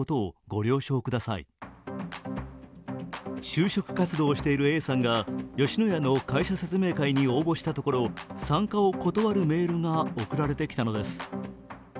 就職活動しているＡさんが吉野家の会社説明会に応募したところ参加を断るメールが送られてきたのです。